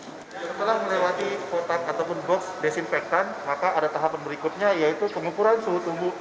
setelah melewati kotak ataupun box desinfektan maka ada tahapan berikutnya yaitu pengukuran suhu tubuh